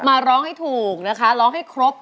มาร้องให้ถูกนะคะร้องให้ครบ